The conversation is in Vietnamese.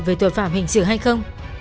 về tội phạm hình sự hay không